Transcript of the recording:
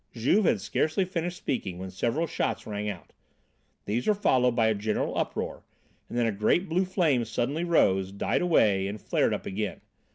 '" Juve had scarcely finished speaking when several shots rang out; these were followed by a general uproar and then a great blue flame suddenly rose, died away and flared up again.